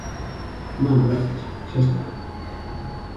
Non, grazas, xa está.